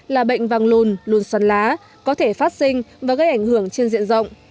là bệnh vang lùn lùn xoắn lá có thể phát sinh và gây ảnh hưởng trên diện rộng